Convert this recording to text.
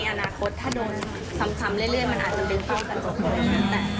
ในอนาคตถ้าโดนซ้ำเรื่อยมันอาจจะดึงเต้ากันก่อน